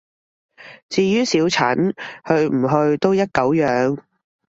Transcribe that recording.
至於小陳，去唔去都一狗樣